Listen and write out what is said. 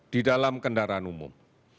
di dalam kendaraan umum